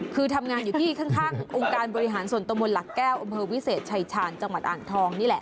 คือทำงานอยู่ที่ข้างองค์การบริหารส่วนตะมนต์หลักแก้วอำเภอวิเศษชายชาญจังหวัดอ่างทองนี่แหละ